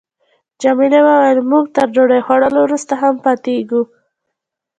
جميلې وويل: موږ تر ډوډۍ خوړلو وروسته هم پاتېږو.